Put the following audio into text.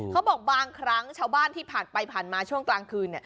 บางครั้งชาวบ้านที่ผ่านไปผ่านมาช่วงกลางคืน